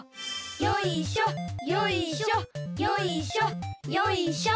よいしょよいしょよいしょよいしょ。